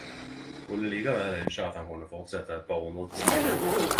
Skulle likevel ynskje at den kunne fortsatt eit par hundre sider til!